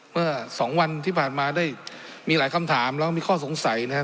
เมื่อสองวันที่ผ่านมาได้มีหลายคำถามแล้วมีข้อสงสัยนะครับ